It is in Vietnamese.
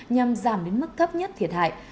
nhằm giảm đến mức cấp nhất thiệt hại